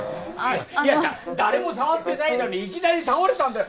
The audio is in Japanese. いや誰も触ってないのにいきなり倒れたんだよ